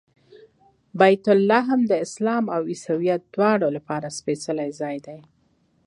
بیت لحم د اسلام او عیسویت دواړو لپاره سپېڅلی ځای دی.